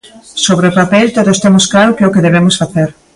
Sobre o papel todos temos claro que é o que debemos facer.